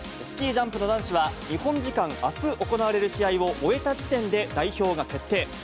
スキージャンプの男子は、日本時間あす行われる試合を終えた時点で、代表が決定。